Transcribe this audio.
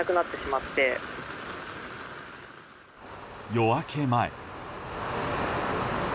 夜明け前。